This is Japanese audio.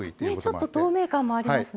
ちょっと透明感もありますね。